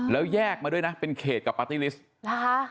แล้วแยกมาด้วยนะเป็นเขตกับปาร์ตี้ลิสต์นะคะ